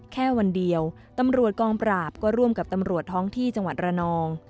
แค่วันเดียวตำรวจกองปราบก็ร่วมกับตำรวจท้องที่จังหวัดระนอง